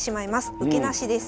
受けなしです。